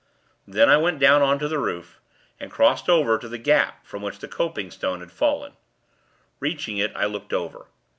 Then, I went down on to the roof, and crossed over to the gap from which the coping stone had fallen. Reaching it, I looked over.